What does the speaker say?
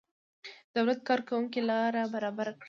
د دولت کارکوونکیو لاره برابره کړه.